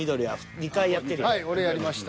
はい俺やりました。